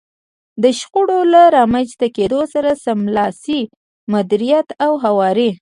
د شخړو له رامنځته کېدو سره سملاسي مديريت او هواری.